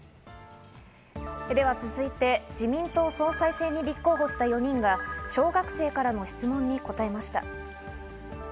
続いて自民党総裁選に立候補した４人が小学生からの質問に答えました。